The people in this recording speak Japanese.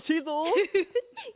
フフフ。